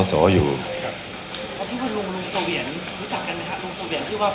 ลุงโซเวียนรู้จักกันไหมครับลุงโซเวียนที่ว่าไปกินที่เขาครับ